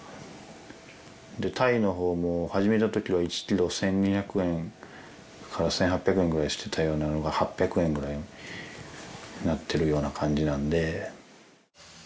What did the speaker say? でタイの方も始めた時は１キロ１２００円から１８００円ぐらいしてたようなのが８００円ぐらいになってるような感じなので。